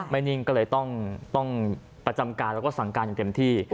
นิ่งก็เลยต้องประจำการแล้วก็สั่งการอย่างเต็มที่